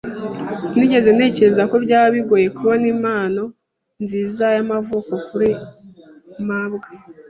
Sinigeze ntekereza ko byaba bigoye kubona impano nziza y'amavuko kuri mabwa.